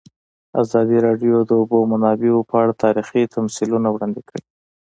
ازادي راډیو د د اوبو منابع په اړه تاریخي تمثیلونه وړاندې کړي.